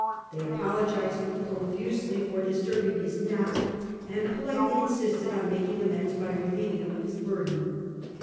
They apologised profusely for disturbing his nap, and politely insisted on making amends by relieving him of his burden.